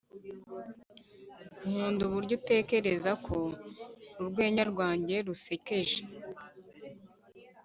nkunda uburyo utekereza ko urwenya rwanjye rusekeje